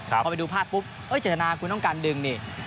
พอไปดูภาพปุ๊บเจตนาคุณต้องการดึงนี่